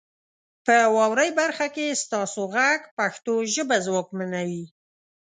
په واورئ برخه کې ستاسو غږ پښتو ژبه ځواکمنوي.